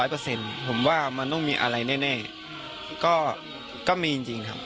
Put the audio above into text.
ผมว่ามันต้องมีอะไรแน่ก็มีจริงครับ